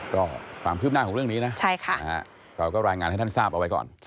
ก็ความคืบหน้าของเรื่องนี้นะเราก็รายงานให้ท่านทราบเอาไว้ก่อน